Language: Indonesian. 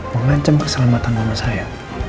memancam keselamatan mama saya